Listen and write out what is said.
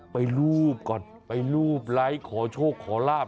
ไปรูปก่อนไปรูปไลค์ขอโชคขอลาบ